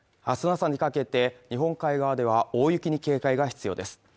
明日朝にかけて日本海側では大雪に警戒が必要です